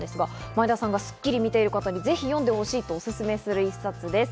前田さんが『スッキリ』見ている方にぜひ読んでほしいとおすすめする一冊です。